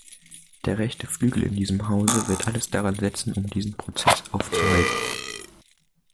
Der rechte Flügel in diesem Hause wird alles daransetzen, um diesen Prozess aufzuhalten.